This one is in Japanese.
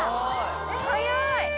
早い！